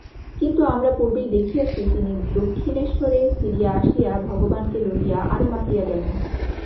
কিন্তু আমরা পূর্বেই দেখিয়াছি, তিনি দক্ষিণেশ্বরে ফিরিয়া আসিয়া ভগবানকে লইয়া আরও মাতিয়া গেলেন।